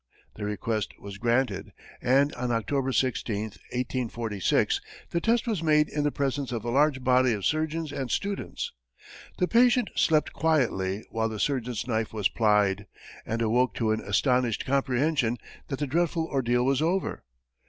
The request was granted, and on October 16, 1846, the test was made in the presence of a large body of surgeons and students. The patient slept quietly while the surgeon's knife was plied, and awoke to an astonished comprehension that the dreadful ordeal was over.